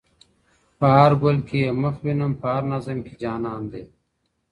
په هرګل کي یې مخ وینم په هر نظم کي جانان دی